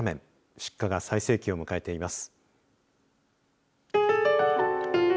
出荷が最盛期を迎えています。